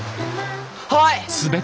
はい！